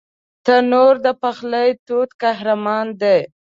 تنور د پخلي تود قهرمان دی